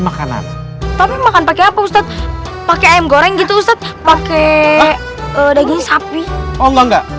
makanan tapi makan pakai apa ustadz pakai ayam goreng gitu pak hai oke dragi sapi emang enggak